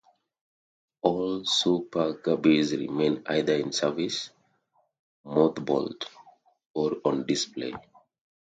All Super Guppies remain either in service, mothballed, or on display.